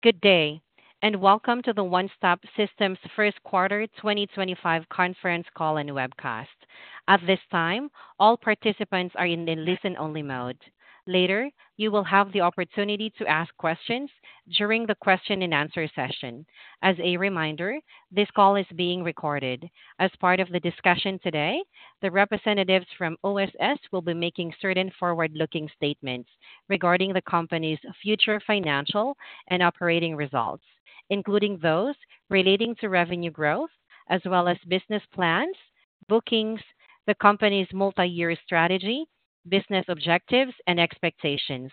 Good day, and welcome to the One Stop Systems First Quarter 2025 Conference Call and Webcast. At this time, all participants are in the listen-only mode. Later, you will have the opportunity to ask questions during the Q&A session. As a reminder, this call is being recorded. As part of the discussion today, the representatives from OSS will be making certain forward-looking statements regarding the company's future financial and operating results, including those relating to revenue growth, as well as business plans, bookings, the company's multi-year strategy, business objectives, and expectations.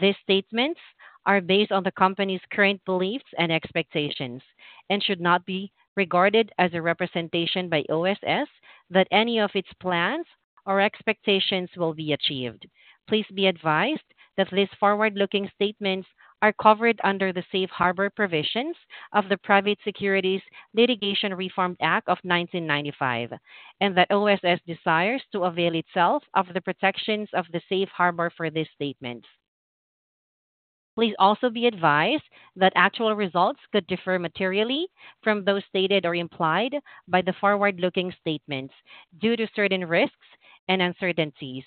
These statements are based on the company's current beliefs and expectations and should not be regarded as a representation by OSS that any of its plans or expectations will be achieved. Please be advised that these forward-looking statements are covered under the safe harbor provisions of the Private Securities Litigation Reform Act of 1995, and that OSS desires to avail itself of the protections of the safe harbor for these statements. Please also be advised that actual results could differ materially from those stated or implied by the forward-looking statements due to certain risks and uncertainties,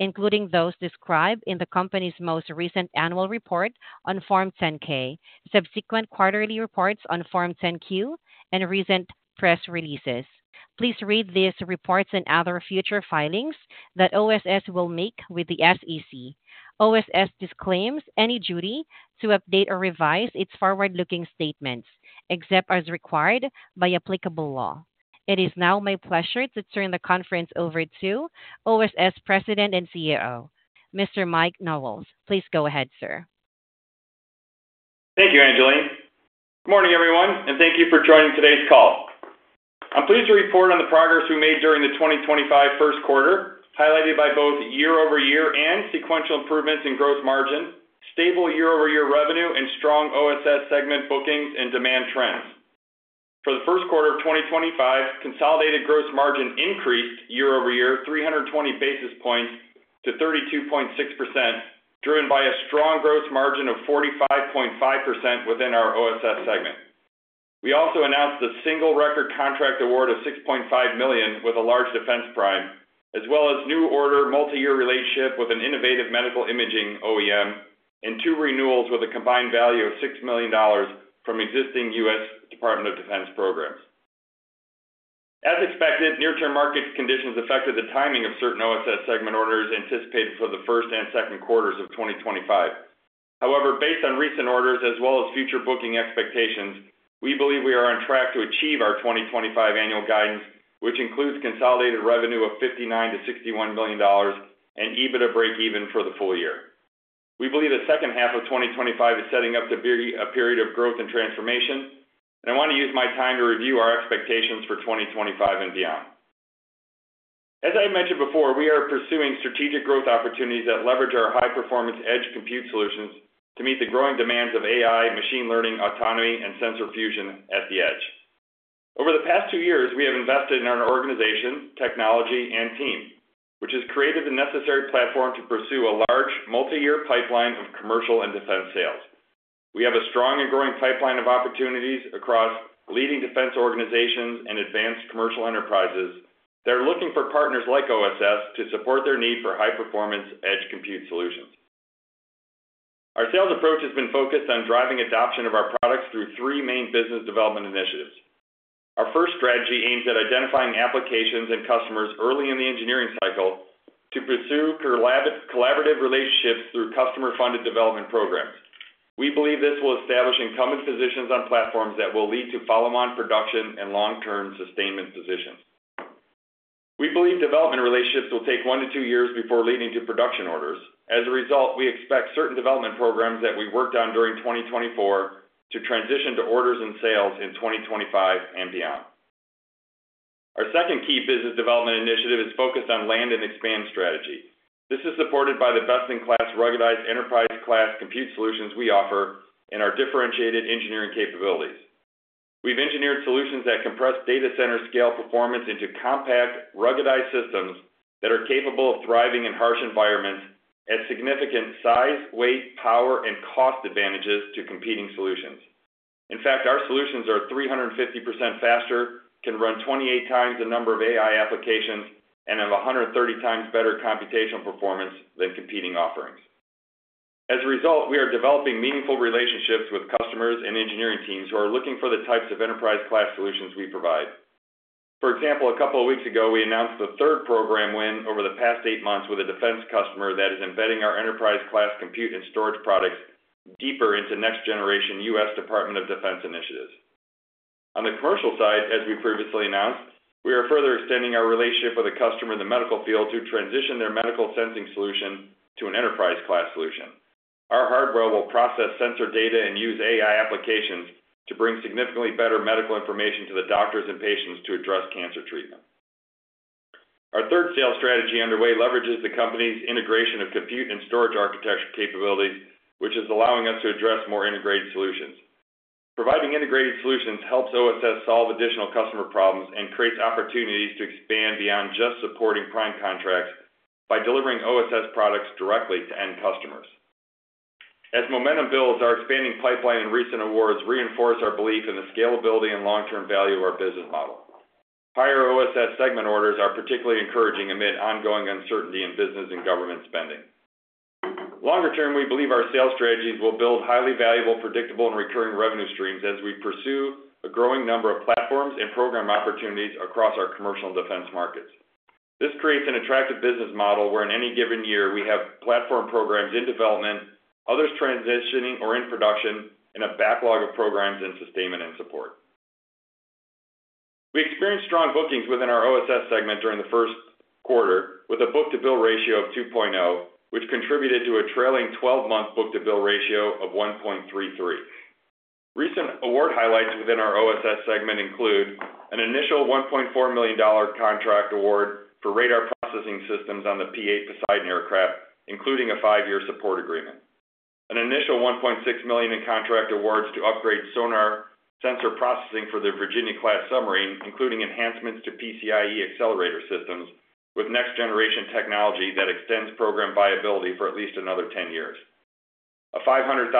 including those described in the company's most recent annual report on Form 10-K, subsequent quarterly reports on Form 10-Q, and recent press releases. Please read these reports and other future filings that OSS will make with the SEC. OSS disclaims any duty to update or revise its forward-looking statements, except as required by applicable law. It is now my pleasure to turn the conference over to OSS President and CEO, Mr. Mike Knowles. Please go ahead, sir. Thank you, Angeline. Good morning, everyone, and thank you for joining today's call. I'm pleased to report on the progress we made during the 2025 Q1, highlighted by both year-over-year and sequential improvements in gross margin, stable year-over-year revenue, and strong OSS segment bookings and demand trends. For Q1 2025, consolidated gross margin increased year-over-year 320 basis points to 32.6%, driven by a strong gross margin of 45.5% within our OSS segment. We also announced a single record contract award of $6.5 million with a large defense prime, as well as a new order multi-year relationship with an innovative medical imaging OEM, and two renewals with a combined value of $6 million from existing U.S. Department of Defense programs. As expected, near-term market conditions affected the timing of certain OSS segment orders anticipated for Q1 and Q2 of 2025. However, based on recent orders as well as future booking expectations, we believe we are on track to achieve our 2025 annual guidance, which includes consolidated revenue of $59-61 million and EBITDA break-even for the full year. We believe the second half of 2025 is setting up to be a period of growth and transformation, and I want to use my time to review our expectations for 2025 and beyond. As I mentioned before, we are pursuing strategic growth opportunities that leverage our high-performance edge compute solutions to meet the growing demands of AI, machine learning, autonomy, and sensor fusion at the edge. Over the past two years, we have invested in our organization, technology, and team, which has created the necessary platform to pursue a large multi-year pipeline of commercial and defense sales. We have a strong and growing pipeline of opportunities across leading defense organizations and advanced commercial enterprises that are looking for partners like OSS to support their need for high-performance edge compute solutions. Our sales approach has been focused on driving adoption of our products through three main business development initiatives. Our first strategy aims at identifying applications and customers early in the engineering cycle to pursue collaborative relationships through customer-funded development programs. We believe this will establish incumbent positions on platforms that will lead to follow-on production and long-term sustainment positions. We believe development relationships will take one to two years before leading to production orders. As a result, we expect certain development programs that we worked on during 2024 to transition to orders and sales in 2025 and beyond. Our second key business development initiative is focused on land and expand strategy. This is supported by the best-in-class ruggedized enterprise-class compute solutions we offer and our differentiated engineering capabilities. We've engineered solutions that compress data center-scale performance into compact, ruggedized systems that are capable of thriving in harsh environments at significant size, weight, power, and cost advantages to competing solutions. In fact, our solutions are 350% faster, can run 28 times the number of AI applications, and have 130 times better computational performance than competing offerings. As a result, we are developing meaningful relationships with customers and engineering teams who are looking for the types of enterprise-class solutions we provide. For example, a couple of weeks ago, we announced the third program win over the past eight months with a defense customer that is embedding our enterprise-class compute and storage products deeper into next-generation U.S. Department of Defense initiatives. On the commercial side, as we previously announced, we are further extending our relationship with a customer in the medical field to transition their medical sensing solution to an enterprise-class solution. Our hardware will process sensor data and use AI applications to bring significantly better medical information to the doctors and patients to address cancer treatment. Our third sales strategy underway leverages the company's integration of compute and storage architecture capabilities, which is allowing us to address more integrated solutions. Providing integrated solutions helps OSS solve additional customer problems and creates opportunities to expand beyond just supporting prime contracts by delivering OSS products directly to end customers. As momentum builds, our expanding pipeline and recent awards reinforce our belief in the scalability and long-term value of our business model. Higher OSS segment orders are particularly encouraging amid ongoing uncertainty in business and government spending. Longer term, we believe our sales strategies will build highly valuable, predictable, and recurring revenue streams as we pursue a growing number of platforms and program opportunities across our commercial and defense markets. This creates an attractive business model where in any given year we have platform programs in development, others transitioning or in production, and a backlog of programs and sustainment and support. We experienced strong bookings within our OSS segment during the first quarter with a book-to-bill ratio of 2.0, which contributed to a trailing 12-month book-to-bill ratio of 1.33. Recent award highlights within our OSS segment include an initial $1.4 million contract award for radar processing systems on the P-8 Poseidon aircraft, including a five-year support agreement. An initial $1.6 million in contract awards to upgrade sonar sensor processing for the Virginia-class submarine, including enhancements to PCIe accelerator systems with next-generation technology that extends program viability for at least another 10 years. A $500,000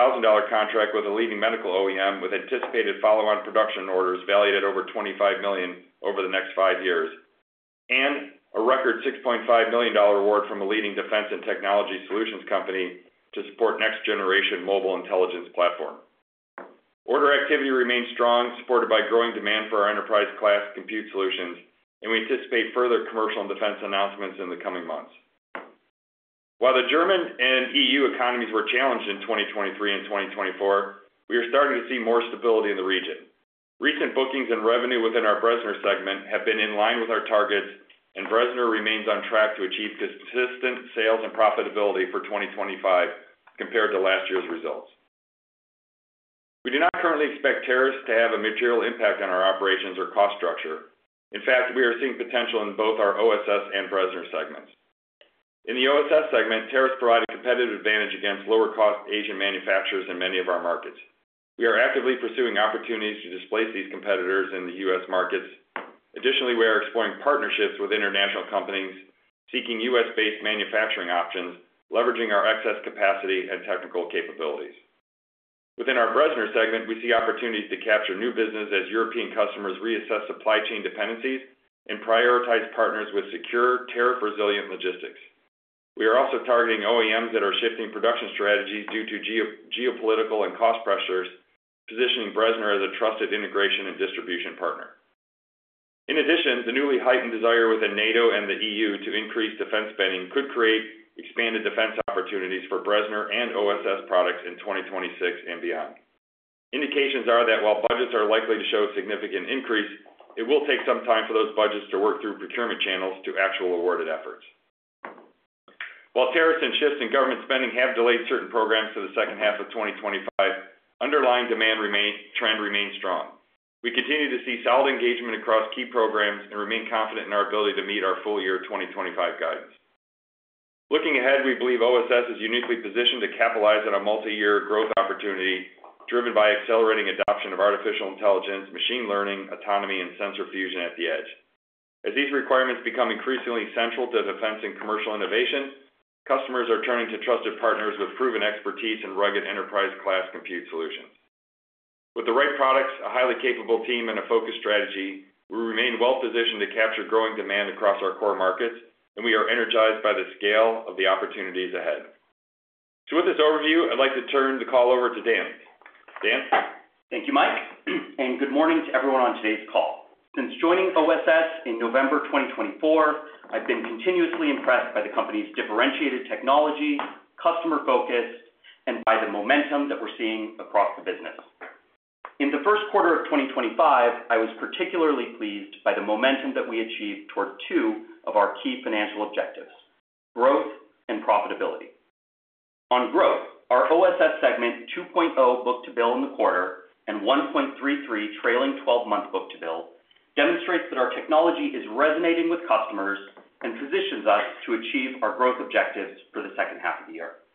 contract with a leading medical OEM with anticipated follow-on production orders valued at over $25 million over the next five years, and a record $6.5 million award from a leading defense and technology solutions company to support next-generation mobile intelligence platform. Order activity remains strong, supported by growing demand for our enterprise-class compute solutions, and we anticipate further commercial and defense announcements in the coming months. While the German and EU economies were challenged in 2023 and 2024, we are starting to see more stability in the region. Recent bookings and revenue within our Brezhnev segment have been in line with our targets, and Brezhnev remains on track to achieve consistent sales and profitability for 2025 compared to last year's results. We do not currently expect tariffs to have a material impact on our operations or cost structure. In fact, we are seeing potential in both our OSS and Brezhnev segments. In the OSS segment, tariffs provide a competitive advantage against lower-cost Asian manufacturers in many of our markets. We are actively pursuing opportunities to displace these competitors in the U.S. markets. Additionally, we are exploring partnerships with international companies, seeking U.S.-based manufacturing options, leveraging our excess capacity and technical capabilities. Within our Brezhnev segment, we see opportunities to capture new business as European customers reassess supply chain dependencies and prioritize partners with secure, tariff-resilient logistics. We are also targeting OEMs that are shifting production strategies due to geopolitical and cost pressures, positioning Brezhnev as a trusted integration and distribution partner. In addition, the newly heightened desire within NATO and the EU to increase defense spending could create expanded defense opportunities for Brezhnev and OSS products in 2026 and beyond. Indications are that while budgets are likely to show a significant increase, it will take some time for those budgets to work through procurement channels to actual awarded efforts. While tariffs and shifts in government spending have delayed certain programs for the second half of 2025, underlying demand trend remains strong. We continue to see solid engagement across key programs and remain confident in our ability to meet our full-year?2025 guidance. Looking ahead, we believe OSS is uniquely positioned to capitalize on a multi-year growth opportunity driven by accelerating adoption of artificial intelligence, machine learning, autonomy, and sensor fusion at the edge. As these requirements become increasingly central to defense and commercial innovation, customers are turning to trusted partners with proven expertise in rugged enterprise-class compute solutions. With the right products, a highly capable team, and a focused strategy, we remain well-positioned to capture growing demand across our core markets, and we are energized by the scale of the opportunities ahead. With this overview, I'd like to turn the call over to Dan. Dan? Thank you, Mike, and good morning to everyone on today's call. Since joining OSS in November 2024, I've been continuously impressed by the company's differentiated technology, customer-focused, and by the momentum that we're seeing across the business. In the first quarter of 2025, I was particularly pleased by the momentum that we achieved toward two of our key financial objectives: growth and profitability. On growth, our OSS segment 2.0 book-to-bill in the quarter and 1.33 trailing 12-month book-to-bill demonstrates that our technology is resonating with customers and positions us to achieve our growth objectives for the second half of the year.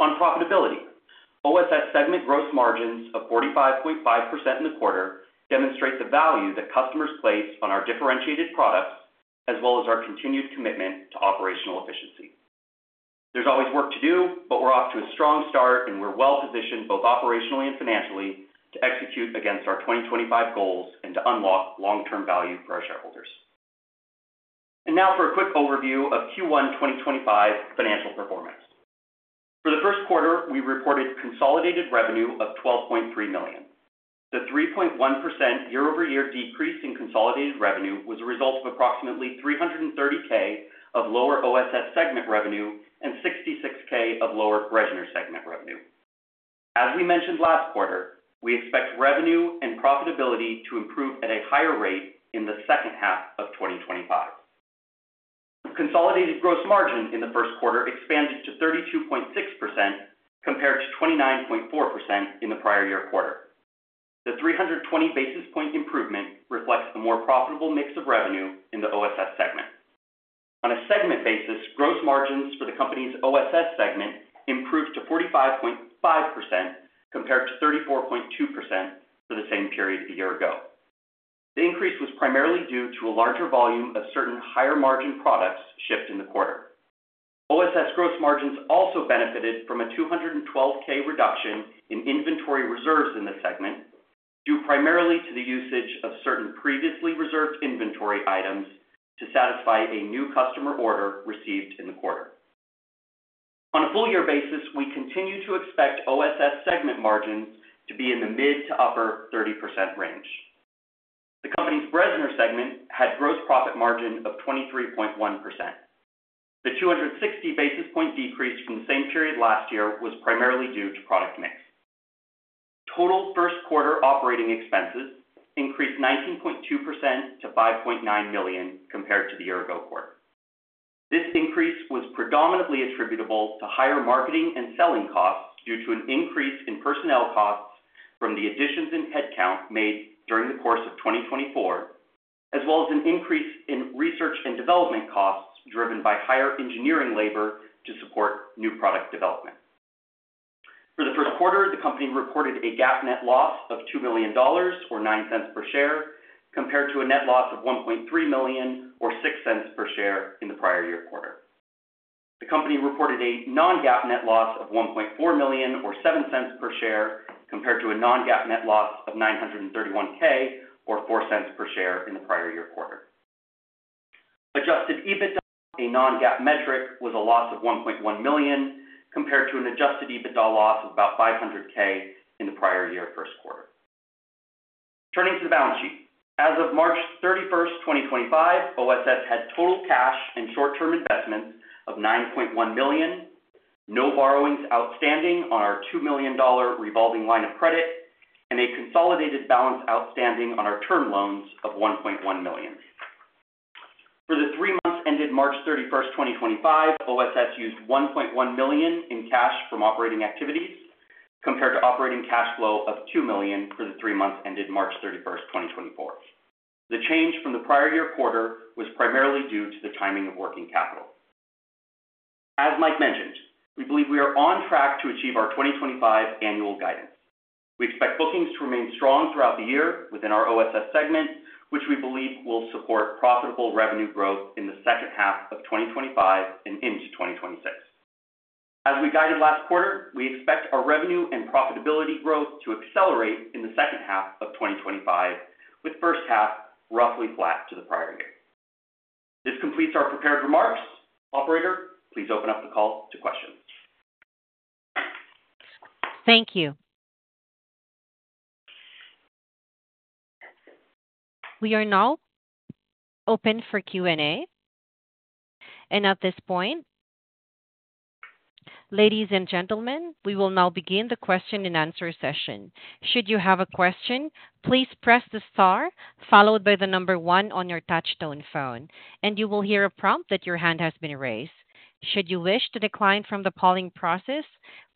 On profitability, OSS segment gross margins of 45.5% in the quarter demonstrate the value that customers place on our differentiated products as well as our continued commitment to operational efficiency. There's always work to do, but we're off to a strong start, and we're well-positioned both operationally and financially to execute against our 2025 goals and to unlock long-term value for our shareholders. Now for a quick overview of Q1 2025 financial performance. For the first quarter, we reported consolidated revenue of $12.3 million. The 3.1% year-over-year decrease in consolidated revenue was a result of approximately $330,000 of lower OSS segment revenue and $66,000 of lower Brezhnev segment revenue. As we mentioned last quarter, we expect revenue and profitability to improve at a higher rate in the second half of 2025. Consolidated gross margin in the first quarter expanded to 32.6% compared to 29.4% in the prior year quarter. The 320 basis point improvement reflects a more profitable mix of revenue in the OSS segment. On a segment basis, gross margins for the company's OSS segment improved to 45.5% compared to 34.2% for the same period a year ago. The increase was primarily due to a larger volume of certain higher-margin products shipped in the quarter. OSS gross margins also benefited from a $212,000 reduction in inventory reserves in the segment due primarily to the usage of certain previously reserved inventory items to satisfy a new customer order received in the quarter. On a full-year basis, we continue to expect OSS segment margins to be in the mid to upper 30% range. The company's Brezhnev segment had gross profit margin of 23.1%. The 260 basis point decrease from the same period last year was primarily due to product mix. Total first-quarter operating expenses increased 19.2% to $5.9 million compared to the year-ago quarter. This increase was predominantly attributable to higher marketing and selling costs due to an increase in personnel costs from the additions in headcount made during the course of 2024, as well as an increase in research and development costs driven by higher engineering labor to support new product development. For the first quarter, the company reported a GAAP net loss of $2 million or $0.09 per share compared to a net loss of $1.3 million or $0.06 per share in the prior year quarter. The company reported a non-GAAP net loss of $1.4 million or $0.07 per share compared to a non-GAAP net loss of $931,000 or $0.04 per share in the prior year quarter. Adjusted EBITDA, a non-GAAP metric, was a loss of $1.1 million compared to an adjusted EBITDA loss of about $500,000 in the prior year first quarter. Turning to the balance sheet, as of March 31, 2025, OSS had total cash and short-term investments of $9.1 million, no borrowings outstanding on our $2 million revolving line of credit, and a consolidated balance outstanding on our term loans of $1.1 million. For the three months ended March 31, 2025, OSS used $1.1 million in cash from operating activities compared to operating cash flow of $2 million for the three months ended March 31, 2024. The change from the prior year quarter was primarily due to the timing of working capital. As Mike mentioned, we believe we are on track to achieve our 2025 annual guidance. We expect bookings to remain strong throughout the year within our OSS segment, which we believe will support profitable revenue growth in the second half of 2025 and into 2026. As we guided last quarter, we expect our revenue and profitability growth to accelerate in the second half of 2025, with first half roughly flat to the prior year. This completes our prepared remarks. Operator, please open up the call to questions. Thank you. We are now open for Q&A. At this point, ladies and gentlemen, we will now begin the question-and-answer session. Should you have a question, please press the star followed by the number one on your touchstone phone, and you will hear a prompt that your hand has been raised. Should you wish to decline from the polling process,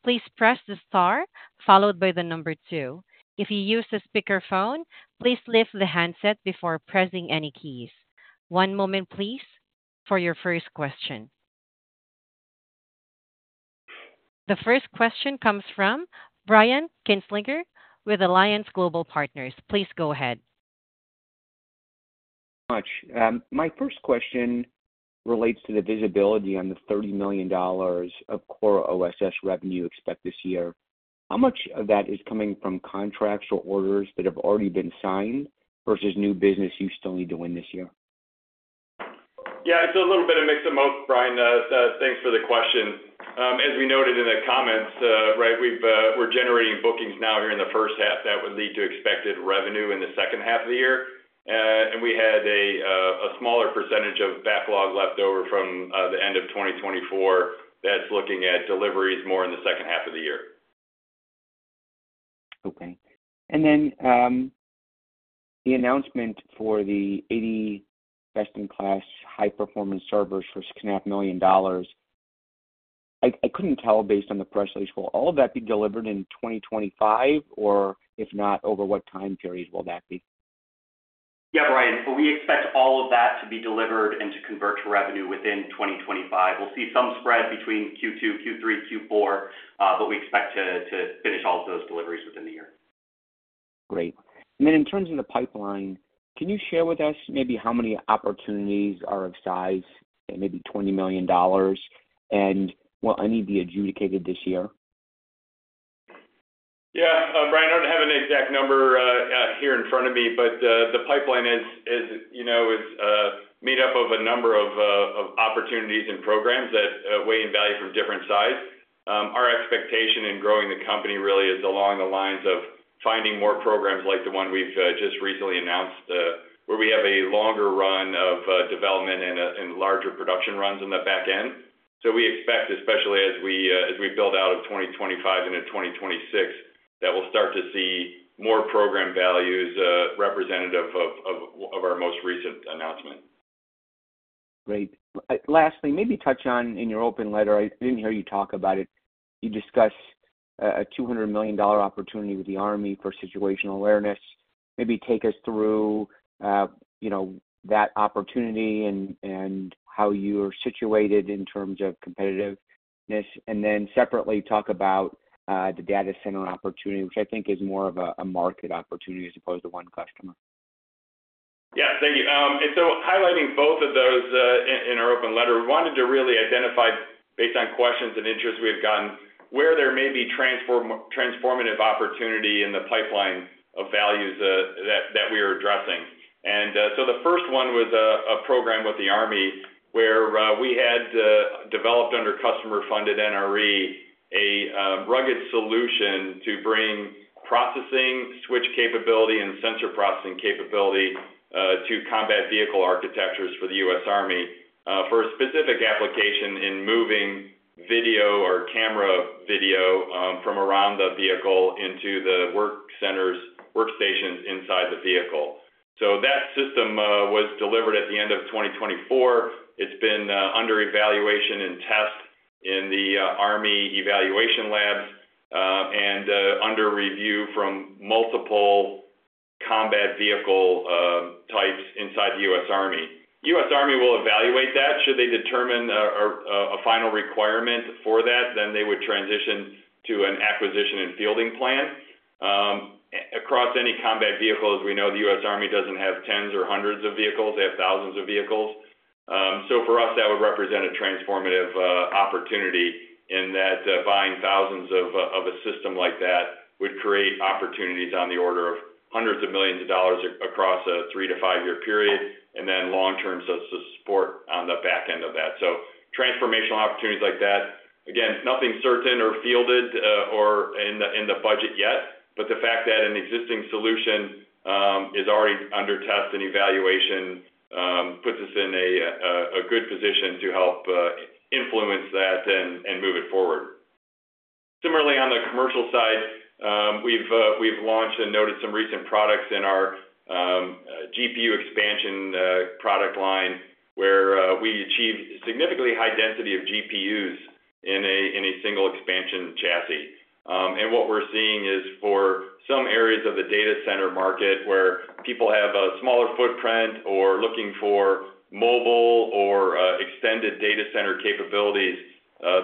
please press the star followed by the number two. If you use the speakerphone, please lift the handset before pressing any keys. One moment, please, for your first question. The first question comes from Brian Kinstlinger with Alliance Global Partners. Please go ahead. Thank you very much. My first question relates to the visibility on the $30 million of core OSS revenue expected this year. How much of that is coming from contracts or orders that have already been signed versus new business you still need to win this year? Yeah, it's a little bit of mixed emote, Brian. Thanks for the question. As we noted in the comments, right, we're generating bookings now here in the first half that would lead to expected revenue in the second half of the year. We had a smaller percentage of backlog left over from the end of 2024 that's looking at deliveries more in the second half of the year. Okay. And then the announcement for the 80 best-in-class high-performance servers for $6.5 million. I could not tell based on the press release. Will all of that be delivered in 2025? If not, over what time period will that be? Yeah, Brian, we expect all of that to be delivered and to convert to revenue within 2025. We'll see some spread between Q2, Q3, Q4, but we expect to finish all of those deliveries within the year. Great. In terms of the pipeline, can you share with us maybe how many opportunities are of size, maybe $20 million, and will any be adjudicated this year? Yeah, Brian, I don't have an exact number here in front of me, but the pipeline is made up of a number of opportunities and programs that weigh in value from different sides. Our expectation in growing the company really is along the lines of finding more programs like the one we've just recently announced, where we have a longer run of development and larger production runs in the back end. We expect, especially as we build out of 2025 into 2026, that we'll start to see more program values representative of our most recent announcement. Great. Lastly, maybe touch on, in your open letter, I didn't hear you talk about it. You discussed a $200 million opportunity with the Army for situational awareness. Maybe take us through that opportunity and how you're situated in terms of competitiveness. Then separately, talk about the data center opportunity, which I think is more of a market opportunity as opposed to one customer. Yeah, thank you. Highlighting both of those in our open letter, we wanted to really identify, based on questions and interest we've gotten, where there may be transformative opportunity in the pipeline of values that we are addressing. The first one was a program with the Army where we had developed under customer-funded NRE a rugged solution to bring processing switch capability and sensor processing capability to combat vehicle architectures for the U.S. Army for a specific application in moving video or camera video from around the vehicle into the work centers, workstations inside the vehicle. That system was delivered at the end of 2024. It's been under evaluation and test in the Army evaluation labs and under review from multiple combat vehicle types inside the U.S. Army. The U.S. Army will evaluate that, should they determine a final requirement for that, then they would transition to an acquisition and fielding plan. Across any combat vehicles, we know the U.S. Army does not have tens or hundreds of vehicles. They have thousands of vehicles. For us, that would represent a transformative opportunity in that buying thousands of a system like that would create opportunities on the order of hundreds of millions of dollars across a three- to five-year period and then long-term support on the back end of that. Transformational opportunities like that, again, nothing certain or fielded or in the budget yet, but the fact that an existing solution is already under test and evaluation puts us in a good position to help influence that and move it forward. Similarly, on the commercial side, we've launched and noted some recent products in our GPU expansion product line where we achieved significantly high density of GPUs in a single expansion chassis. What we're seeing is for some areas of the data center market where people have a smaller footprint or are looking for mobile or extended data center capabilities,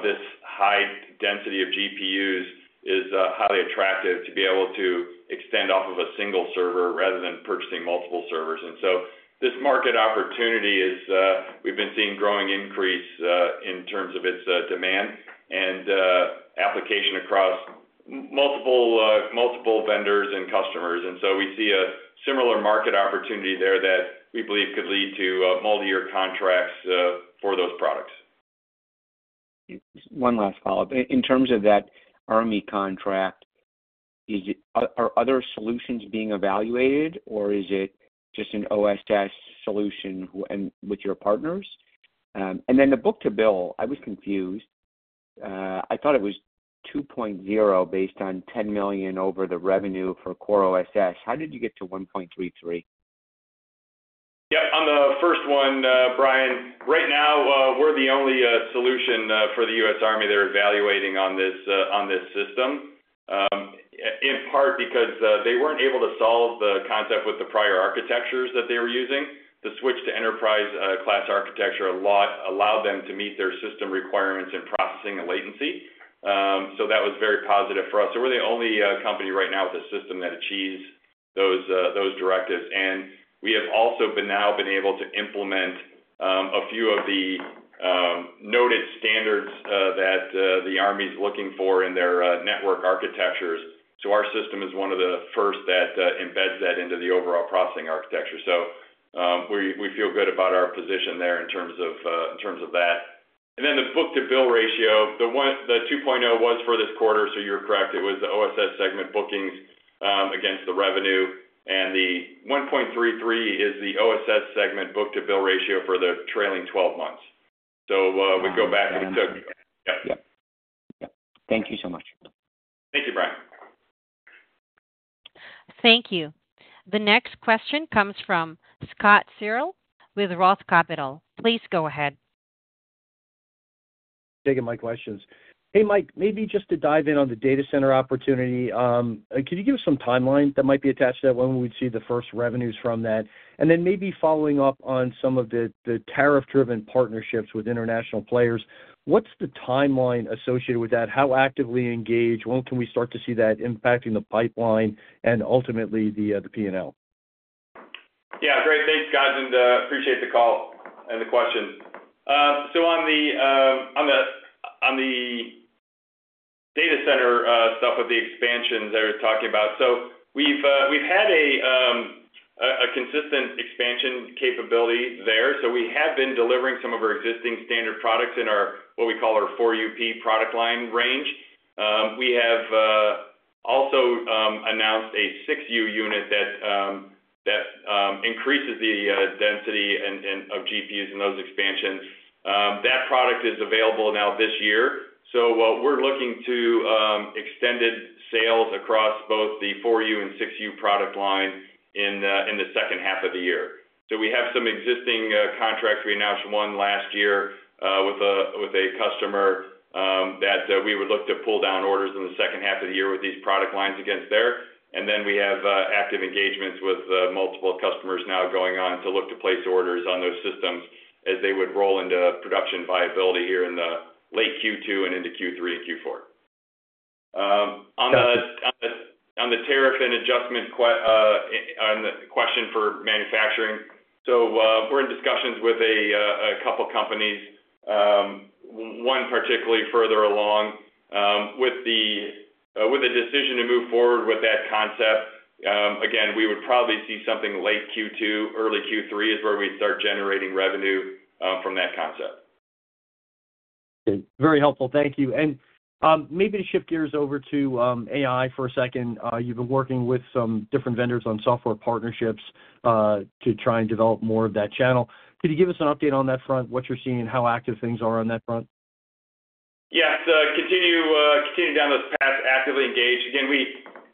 this high density of GPUs is highly attractive to be able to extend off of a single server rather than purchasing multiple servers. This market opportunity is we've been seeing growing increase in terms of its demand and application across multiple vendors and customers. We see a similar market opportunity there that we believe could lead to multi-year contracts for those products. One last follow-up. In terms of that Army contract, are other solutions being evaluated, or is it just an OSS solution with your partners? The book to bill, I was confused. I thought it was 2.0 based on $10 million over the revenue for core OSS. How did you get to 1.33? Yep, on the first one, Brian, right now, we're the only solution for the U.S. Army they're evaluating on this system, in part because they weren't able to solve the concept with the prior architectures that they were using. The switch to enterprise-class architecture allowed them to meet their system requirements in processing and latency. That was very positive for us. We're the only company right now with a system that achieves those directives. We have also now been able to implement a few of the noted standards that the Army is looking for in their network architectures. Our system is one of the first that embeds that into the overall processing architecture. We feel good about our position there in terms of that. The book-to-bill ratio, the 2.0 was for this quarter, so you're correct. It was the OSS segment bookings against the revenue. The 1.33 is the OSS segment book-to-bill ratio for the trailing 12 months. We go back and we took. Yeah. Thank you so much. Thank you, Brian. Thank you. The next question comes from Scott Searle with Roth Capital. Please go ahead. Thank you for taking my questions. Hey, Mike, maybe just to dive in on the data center opportunity, could you give us some timeline that might be attached to that, when we would see the first revenues from that? Then maybe following up on some of the tariff-driven partnerships with international players, what's the timeline associated with that? How actively engaged? When can we start to see that impacting the pipeline and ultimately the P&L? Yeah, great. Thanks, guys. Appreciate the call and the question. On the data center stuff with the expansions that we're talking about, we've had a consistent expansion capability there. We have been delivering some of our existing standard products in what we call our 4U product line range. We have also announced a 6U unit that increases the density of GPUs in those expansions. That product is available now this year. We're looking to extend sales across both the 4U and 6U product line in the second half of the year. We have some existing contracts. We announced one last year with a customer that we would look to pull down orders in the second half of the year with these product lines against there. We have active engagements with multiple customers now going on to look to place orders on those systems as they would roll into production viability here in the late Q2 and into Q3 and Q4. On the tariff and adjustment question for manufacturing, we are in discussions with a couple of companies, one particularly further along. With the decision to move forward with that concept, again, we would probably see something late Q2, early Q3 is where we would start generating revenue from that concept. Very helpful. Thank you. Maybe to shift gears over to AI for a second, you've been working with some different vendors on software partnerships to try and develop more of that channel. Could you give us an update on that front, what you're seeing, how active things are on that front? Yeah, continue down those paths, actively engage. Again,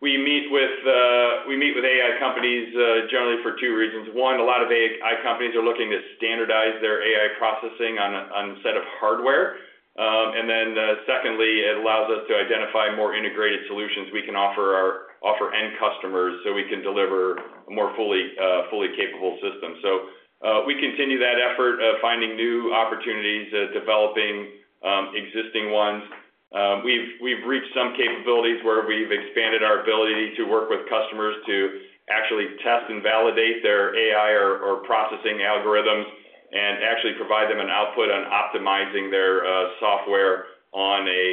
we meet with AI companies generally for two reasons. One, a lot of AI companies are looking to standardize their AI processing on a set of hardware. Then secondly, it allows us to identify more integrated solutions we can offer end customers so we can deliver a more fully capable system. We continue that effort of finding new opportunities, developing existing ones. We've reached some capabilities where we've expanded our ability to work with customers to actually test and validate their AI or processing algorithms and actually provide them an output on optimizing their software on a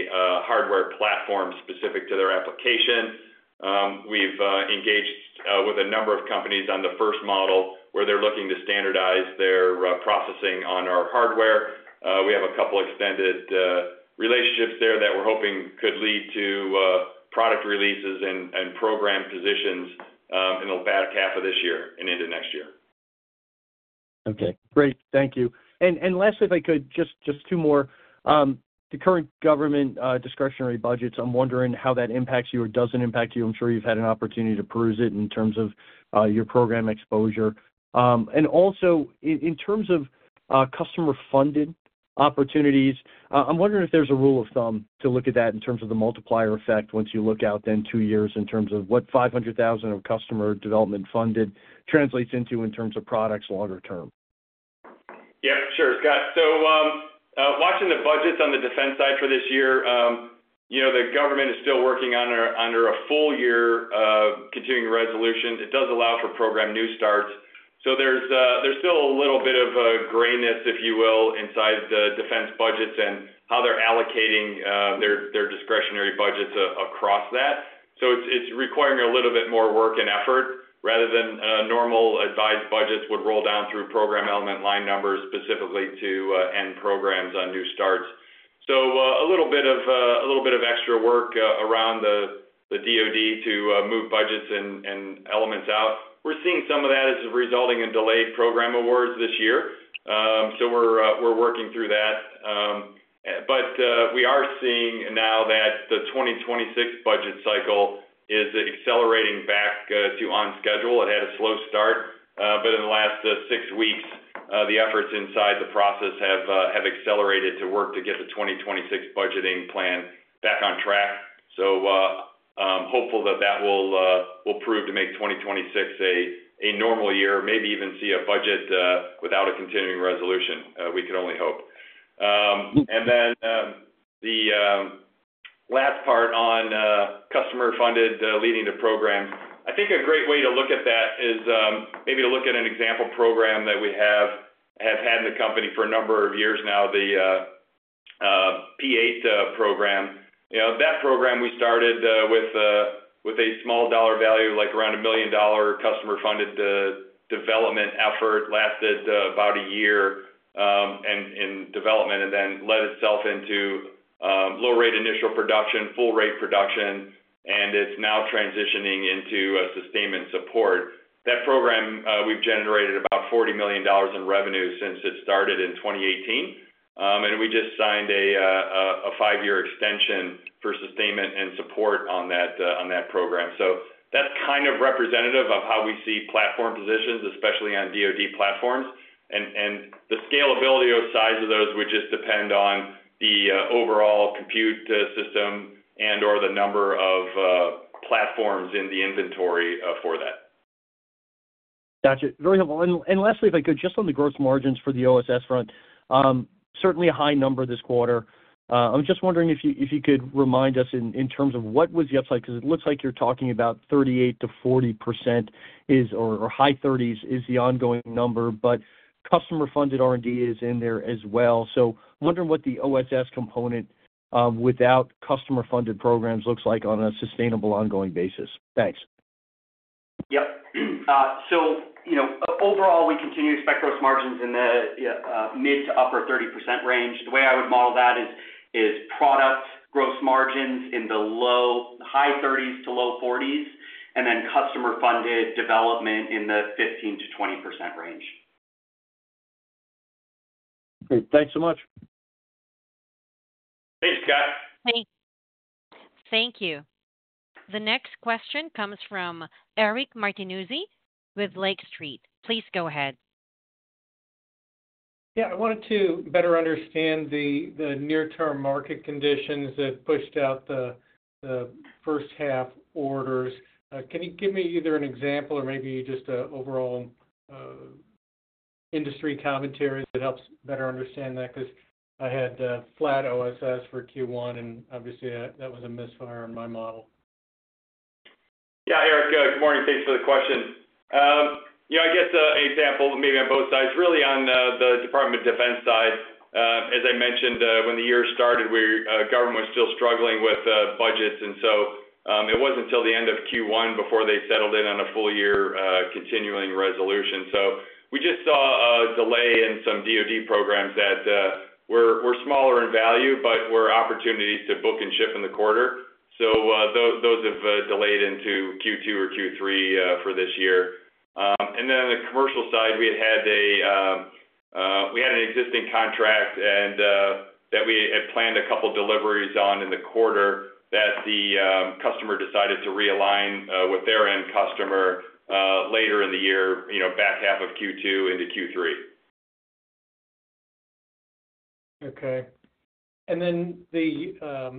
hardware platform specific to their application. We've engaged with a number of companies on the first model where they're looking to standardize their processing on our hardware. We have a couple of extended relationships there that we're hoping could lead to product releases and program positions in the back half of this year and into next year. Okay. Great. Thank you. Lastly, if I could, just two more. The current government discretionary budgets, I'm wondering how that impacts you or does not impact you. I'm sure you have had an opportunity to peruse it in terms of your program exposure. Also, in terms of customer-funded opportunities, I'm wondering if there is a rule of thumb to look at that in terms of the multiplier effect once you look out then two years in terms of what $500,000 of customer development funded translates into in terms of products longer term. Yep, sure. Watching the budgets on the defense side for this year, the government is still working on a full year continuing resolution. It does allow for program new starts. There is still a little bit of grayness, if you will, inside the defense budgets and how they're allocating their discretionary budgets across that. It is requiring a little bit more work and effort rather than normal advised budgets would roll down through program element line numbers specifically to end programs on new starts. A little bit of extra work around the DOD to move budgets and elements out. We're seeing some of that as resulting in delayed program awards this year. We are working through that. We are seeing now that the 2026 budget cycle is accelerating back to on schedule. It had a slow start, but in the last six weeks, the efforts inside the process have accelerated to work to get the 2026 budgeting plan back on track. Hopeful that that will prove to make 2026 a normal year, maybe even see a budget without a continuing resolution. We could only hope. The last part on customer-funded leading to programs, I think a great way to look at that is maybe to look at an example program that we have had in the company for a number of years now, the P-8 program. That program we started with a small dollar value, like around a $1 million customer-funded development effort, lasted about a year in development and then led itself into low-rate initial production, full-rate production, and it is now transitioning into sustainment support. That program, we've generated about $40 million in revenue since it started in 2018. We just signed a five-year extension for sustainment and support on that program. That is kind of representative of how we see platform positions, especially on DOD platforms. The scalability or size of those would just depend on the overall compute system and/or the number of platforms in the inventory for that. Gotcha. Very helpful. Lastly, if I could, just on the gross margins for the OSS front, certainly a high number this quarter. I'm just wondering if you could remind us in terms of what was the upside because it looks like you're talking about 38%-40% or high 30s is the ongoing number, but customer-funded R&D is in there as well. Wondering what the OSS component without customer-funded programs looks like on a sustainable ongoing basis. Thanks. Yep. So overall, we continue to expect gross margins in the mid to upper 30% range. The way I would model that is product gross margins in the high 30%-low 40% and then customer-funded development in the 15%-20% range. Okay. Thanks so much. Thanks, Scott. Thank you. The next question comes from Eric Martinuzzi with Lake Street. Please go ahead. Yeah. I wanted to better understand the near-term market conditions that pushed out the first half orders. Can you give me either an example or maybe just overall industry commentary that helps better understand that? Because I had flat OSS for Q1, and obviously, that was a misfire in my model. Yeah, Eric, good morning. Thanks for the question. I guess an example maybe on both sides, really on the Department of Defense side. As I mentioned, when the year started, government was still struggling with budgets. It was not until the end of Q1 before they settled in on a full-year continuing resolution. We just saw a delay in some DOD programs that were smaller in value, but were opportunities to book and ship in the quarter. Those have delayed into Q2 or Q3 for this year. On the commercial side, we had an existing contract that we had planned a couple of deliveries on in the quarter that the customer decided to realign with their end customer later in the year, back half of Q2 into Q3. Okay. The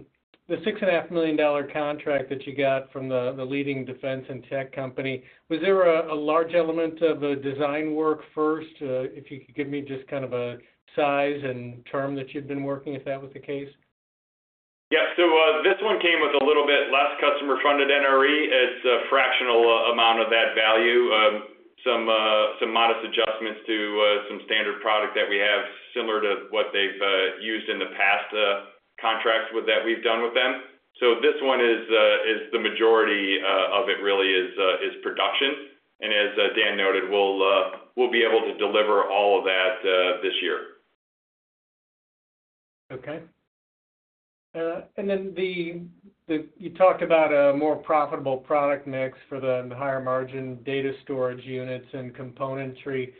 $6.5 million contract that you got from the leading defense and tech company, was there a large element of the design work first? If you could give me just kind of a size and term that you'd been working if that was the case. Yep. This one came with a little bit less customer-funded NRE. It is a fractional amount of that value, some modest adjustments to some standard product that we have similar to what they have used in the past contracts that we have done with them. This one is, the majority of it really is production. As Dan noted, we will be able to deliver all of that this year. Okay. You talked about a more profitable product mix for the higher margin data storage units and componentry.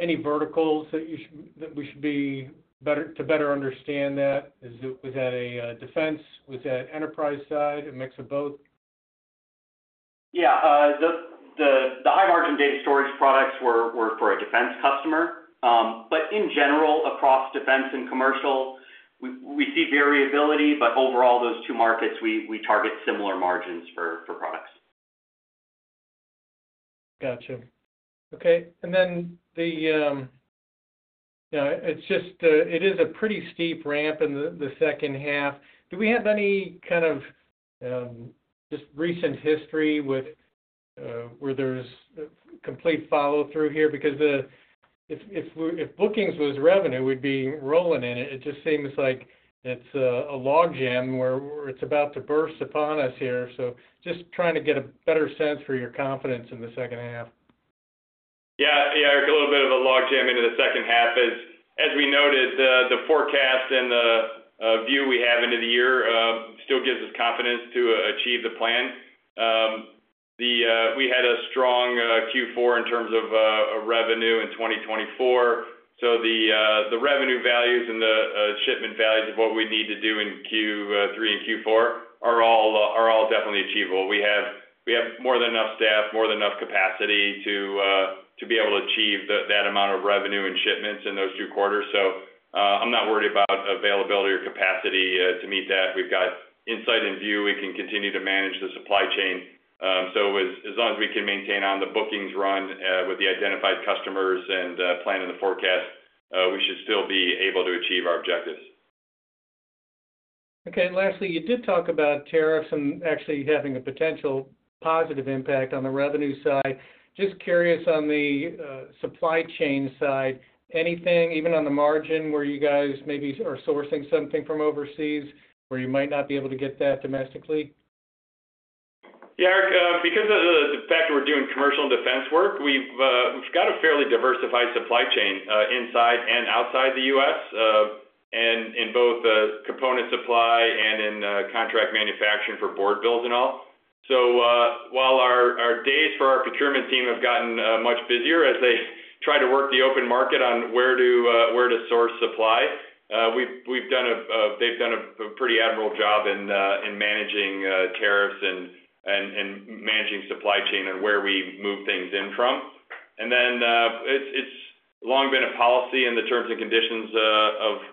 Any verticals that we should be to better understand that? Was that a defense? Was that enterprise side? A mix of both? Yeah. The high margin data storage products were for a defense customer. In general, across defense and commercial, we see variability. Overall, those two markets, we target similar margins for products. Gotcha. Okay. It is a pretty steep ramp in the second half. Do we have any kind of just recent history where there's complete follow-through here? Because if bookings was revenue, we'd be rolling in it. It just seems like it's a log jam where it's about to burst upon us here. Just trying to get a better sense for your confidence in the second half. Yeah. Yeah. A little bit of a log jam into the second half is, as we noted, the forecast and the view we have into the year still gives us confidence to achieve the plan. We had a strong Q4 in terms of revenue in 2024. So the revenue values and the shipment values of what we need to do in Q3 and Q4 are all definitely achievable. We have more than enough staff, more than enough capacity to be able to achieve that amount of revenue and shipments in those two quarters. I'm not worried about availability or capacity to meet that. We've got insight and view. We can continue to manage the supply chain. As long as we can maintain on the bookings run with the identified customers and planning the forecast, we should still be able to achieve our objectives. Okay. Lastly, you did talk about tariffs and actually having a potential positive impact on the revenue side. Just curious on the supply chain side, anything, even on the margin where you guys maybe are sourcing something from overseas where you might not be able to get that domestically? Yeah. Because of the fact that we're doing commercial and defense work, we've got a fairly diversified supply chain inside and outside the U.S. and in both component supply and in contract manufacturing for board builds and all. While our days for our procurement team have gotten much busier as they try to work the open market on where to source supply, they've done a pretty admirable job in managing tariffs and managing supply chain and where we move things in from. It has long been a policy in the terms and conditions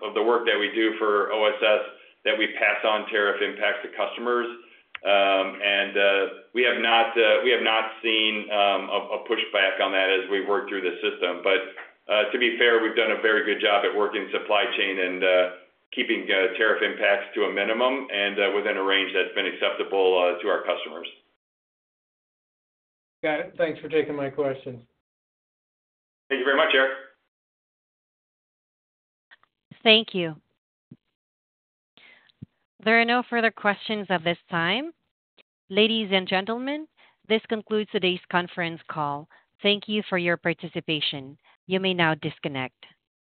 of the work that we do for OSS that we pass on tariff impacts to customers. We have not seen a pushback on that as we work through the system. To be fair, we've done a very good job at working supply chain and keeping tariff impacts to a minimum and within a range that's been acceptable to our customers. Got it. Thanks for taking my questions. Thank you very much, Eric. Thank you. There are no further questions at this time. Ladies and gentlemen, this concludes today's conference call. Thank you for your participation. You may now disconnect.